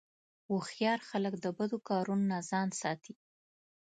هوښیار خلک د بدو کارونو نه ځان ساتي.